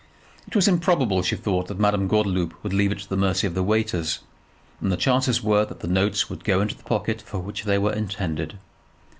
It was improbable, she thought, that Madame Gordeloup would leave it to the mercy of the waiters; and the chances were that the notes would go into the pocket for which they were intended.